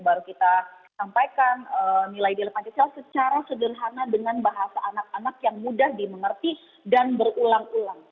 baru kita sampaikan nilai nilai pancasila secara sederhana dengan bahasa anak anak yang mudah dimengerti dan berulang ulang